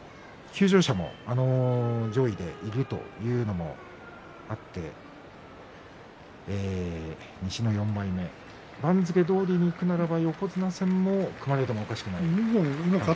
休場者も上位にいるということもあって西の４枚目番付どおりにいくならば横綱戦が組まれてもおかしくないところです。